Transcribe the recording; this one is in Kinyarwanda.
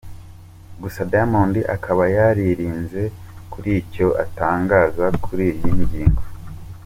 Gusa Diamond akaba yaririnze kuri icyo atangaza kuri iyi ngingo.